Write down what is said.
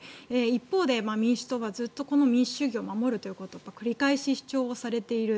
一方で民主党がこの民主主義を守るということを繰り返し主張をされている。